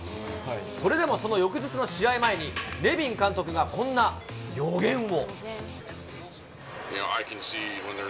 それでもその翌日の試合前に、ネビン監督がこんな予言を。